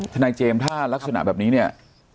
ทนายเจมส์ถ้ารักษณะแบบนี้เนี่ย